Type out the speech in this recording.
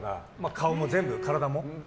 顔も全部、体も。